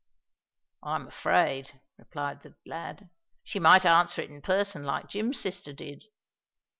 "I am afraid," replied the lad, "she might answer it in person like Jim's sister did."